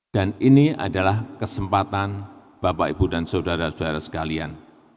dan ini adalah kesempatan bapak ibu dan saudara saudara sekalian